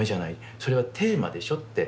それはテーマでしょって。